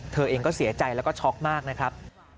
เธอเองก็เสียใจแล้วก็ช็อกมากนะครับ